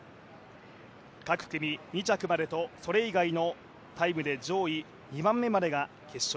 各組２着までと、それ以外のタイムで上位２番目までが決勝。